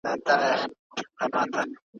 سياسي واکمني بايد د ټولني د خير سبب وګرځي.